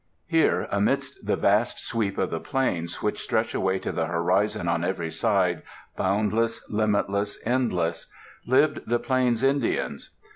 Here, amidst the vast sweep of the plains which stretch away to the horizon on every side, boundless, limitless, endless, lived the plains Indians.